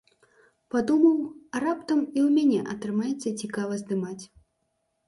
Падумаў, а раптам і ў мяне атрымаецца цікава здымаць.